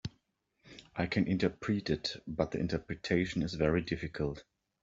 I can interpret it, but the interpretation is very difficult.